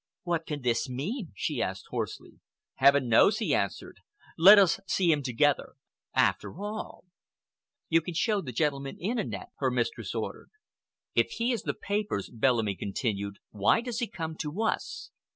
"What can this mean?" she asked hoarsely. "Heaven knows!" he answered. "Let us see him together. After all—after all—" "You can show the gentleman in, Annette," her mistress ordered. "If he has the papers," Bellamy continued slowly, "why does he come to us?